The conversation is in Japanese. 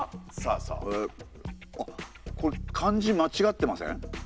あっこれ漢字まちがってません？